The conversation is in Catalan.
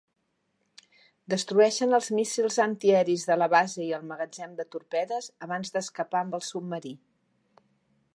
Destrueixen els míssils antiaeris de la base i el magatzem de torpedes abans d'escapar amb el submarí.